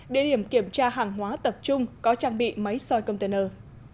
địa điểm kiểm tra hàng hóa tập trung có trang bị máy soi container